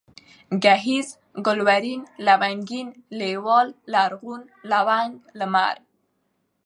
گهيځ ، گلورين ، لونگين ، لېوال ، لرغون ، لونگ ، لمر